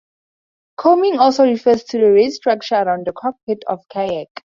Coaming also refers to the raised structure around the cockpit of a kayak.